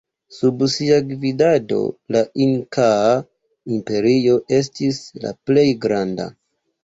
Sub sia gvidado la inkaa imperio estis la plej granda.